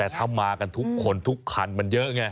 แต่ถ้ามากันทุกคนทุกคันมันเยอะไง